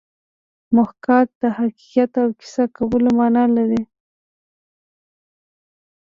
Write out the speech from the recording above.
محاکات د حکایت او کیسه کولو مانا لري